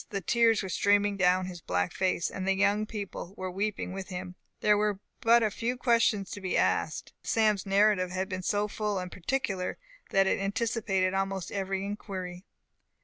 The tears were streaming down his black face, and the young people were weeping with him. There were but few questions to be asked. Sam's narrative had been so full and particular, that it anticipated almost every inquiry.